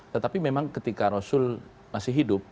tetapi memang ketika rasul masih hidup